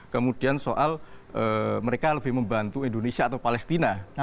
kemudian soal mereka lebih membantu indonesia atau palestina